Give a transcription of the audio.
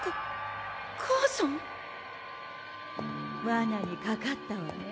わなにかかったわね。